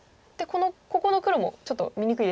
ここの黒もちょっと見にくいですが。